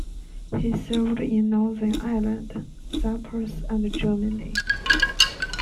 He served in Northern Ireland, Cyprus and Germany.